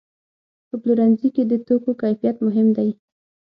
په پلورنځي کې د توکو کیفیت مهم دی.